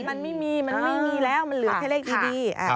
มันไม่มีมันไม่มีแล้วมันเหลือแค่เลขดี